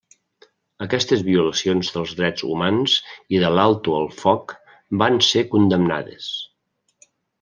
Aquestes violacions dels drets humans i de l'alto el foc van ser condemnades.